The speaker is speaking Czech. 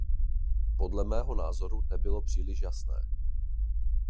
Podle mého názoru nebylo příliš jasné.